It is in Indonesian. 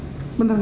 benar tidak pernah